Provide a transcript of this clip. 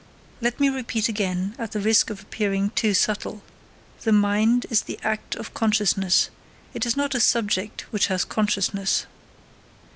Let me repeat again, at the risk of appearing too subtle: the mind is the act of consciousness; it is not a subject which has consciousness.